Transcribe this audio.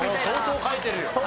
相当書いてるよ。